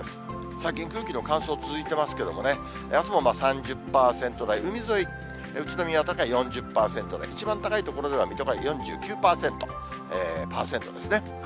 最近、空気の乾燥続いてますけれども、あすも３０％台、海沿い、宇都宮とか４０％台、一番高い所では水戸が４９％、パーセントですね。